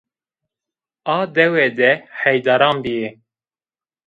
A dewe de heyderan bîyî